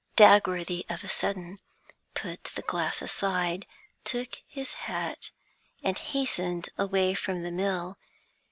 Dagworthy of a sudden put the glass aside, took his hat, and hastened away from the mill.